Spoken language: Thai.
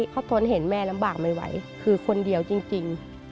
เขาทนเห็นแม่ลำบากไม่ไหวคือคนเดียวจริง